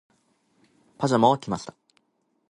パジャマを着ました。